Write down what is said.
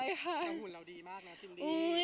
รู้สึกว่ามีหมุนเราดีมากนะสินนี่